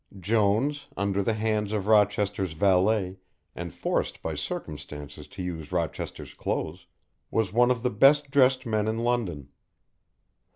Jones, under the hands of Rochester's valet, and forced by circumstances to use Rochester's clothes, was one of the best dressed men in London.